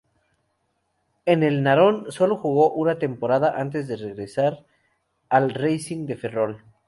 En el Narón solo jugó una temporada, antes de regresar al Racing de Ferrol.